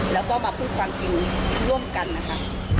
แล้วก็มาพูดความจริงร่วมกันนะคะ